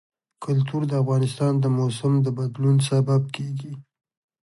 کلتور د افغانستان د موسم د بدلون سبب کېږي.